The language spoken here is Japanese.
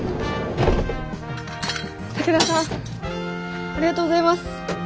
武田さんありがとうございます。